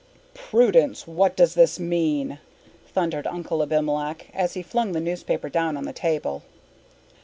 "Prudence, what does this mean?" thundered Uncle Abimelech, as he flung the newspaper down on the table.